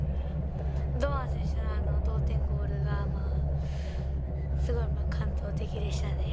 堂安選手の同点ゴールがすごい感動的でしたね。